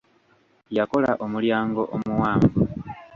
Yakola omulyango omuwanvu.